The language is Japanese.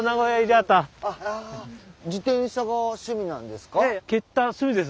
自転車が趣味なんですか？